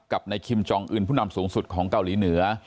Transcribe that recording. กับในคิมจองอื่นผู้นำสูงสุดของเกาหลีเหนือ